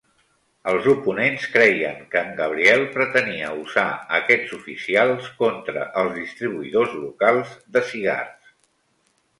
Els oponents creien que en Gabriel pretenia usar aquests oficials contra els distribuïdors locals de cigars.